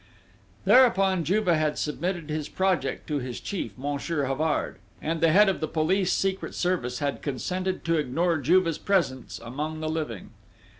Thereupon, Juve had submitted his project to his chief, Monsieur Havard; and the head of the police secret service had consented to ignore Juve's presence among the living.